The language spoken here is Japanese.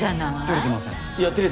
てれてません。